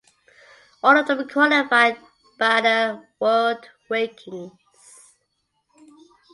All of them qualified by the world rankings.